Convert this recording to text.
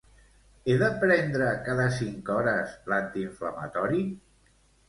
He de prendre cada cinc hores l'antiinflamatori?